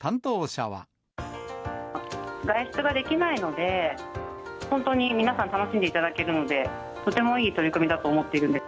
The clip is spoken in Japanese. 外出ができないので、本当に皆さん、楽しんでいただけるので、とてもいい取り組みだと思っています。